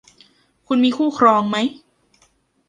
คุณมีคู่ครองไหม